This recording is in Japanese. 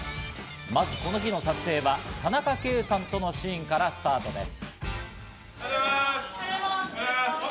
まずこの日の撮影は田中圭さんとのシーンからスタートです。